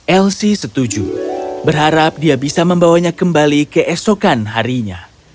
elsie setuju berharap dia bisa membawanya kembali keesokan harinya